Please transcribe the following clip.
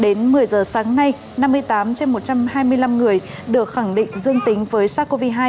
đến một mươi giờ sáng nay năm mươi tám trên một trăm hai mươi năm người được khẳng định dương tính với sars cov hai